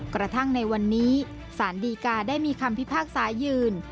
กระทั่งในวันนี้สารดีกาได้มีคำพิพากษายืน